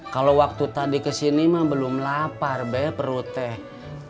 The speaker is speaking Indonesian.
kalo waktu tadi kesini belum lapar be perutnya